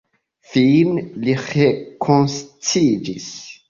Fine li rekonsciiĝis.